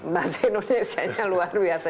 bahasa indonesia nya luar biasa